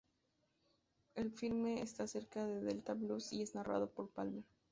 El filme es acerca del Delta blues y es narrado por Palmer.